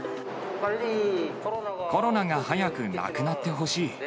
コロナが早くなくなってほしい。